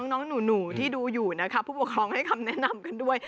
น้องหนูที่ดูอยู่นะคะผู้ปกครองให้คำแนะนำกันด้วย